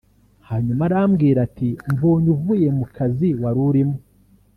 Hanyuma arambwira ati ‘ Mbonye uvuye mu kazi wari urimo